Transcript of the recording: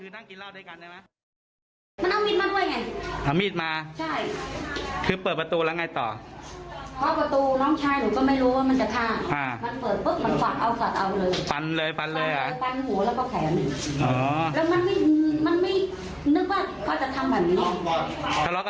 มาแล้วก็พมึงเตอะหัก